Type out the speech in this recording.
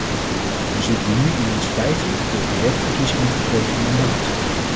We zitten nu in ons vijfde door directe verkiezingen verkregen mandaat.